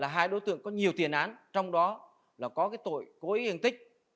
hai đối tượng có nhiều tiền án trong đó có tội cố ý yên tích